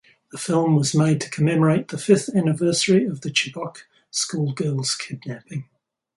The film was made to commemorate the fifth anniversary of the Chibok schoolgirls kidnapping.